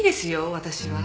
私は。